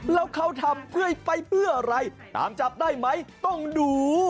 แล้วเขาทำไปประโยชน์เพื่ออะไรตามจับได้มั้ยต้องดู